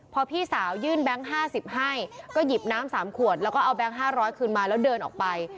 พอพี่สาวยื่นแบงค์๕๐ให้ก็หยิบน้ำ๓ขวดแล้วก็เอาแก๊ง๕๐๐คืนมาแล้วเดินออกไป